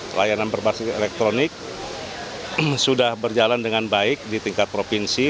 pelayanan berbasis elektronik sudah berjalan dengan baik di tingkat provinsi